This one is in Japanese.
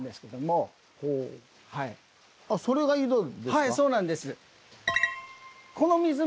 はいそうなんです。